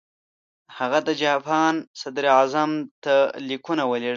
هغه د جاپان صدراعظم ته لیکونه ولېږل.